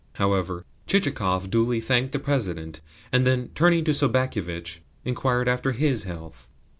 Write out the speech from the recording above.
However, Chichikov duly thanked the President, and then, turning to Sobakevitch, inquired after HIS health.